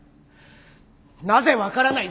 なぜ分からない。